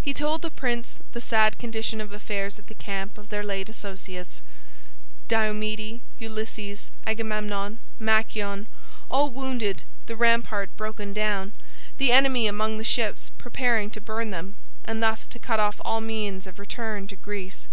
He told the prince the sad condition of affairs at the camp of their late associates: Diomede, Ulysses, Agamemnon, Machaon, all wounded, the rampart broken down, the enemy among the ships preparing to burn them, and thus to cut off all means of return to Greece.